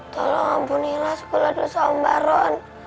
tolong ampunilah sukulah dosa om baron